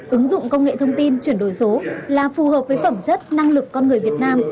ứng dụng công nghệ thông tin chuyển đổi số là phù hợp với phẩm chất năng lực con người việt nam